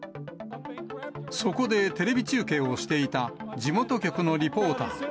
そこでテレビ中継をしていた地元局のリポーター。